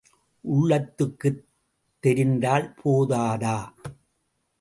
உள்ளத்துக்குத் தெரிந்தால் போதாதா?